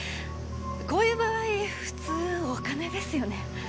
こういう場合普通お金ですよね。